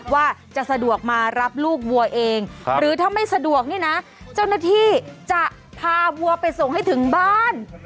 ว่าจะสะดวกมารับลูกวัวเองหรือถ้าไม่สะดวกนี่นะเจ้าหน้าที่จะพาวัวไปส่งให้ถึงบ้าน